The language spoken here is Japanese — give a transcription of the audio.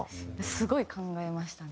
すごい考えましたね。